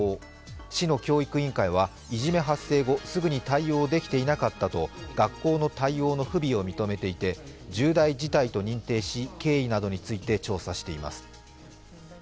市の教育委員会は、いじめ発生後すぐに対応できていなかったと学校の対応の不備を認めていて、重大事態と認定し経緯などについて調査しています。